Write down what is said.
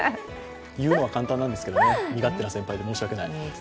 言うのは簡単なんですけど身勝手な先輩で申し訳ない。